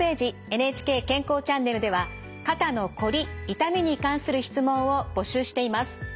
「ＮＨＫ健康チャンネル」では肩のこり・痛みに関する質問を募集しています。